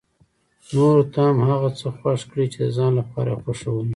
نورو ته هم هغه څه خوښ کړي چې د ځان لپاره يې خوښوي.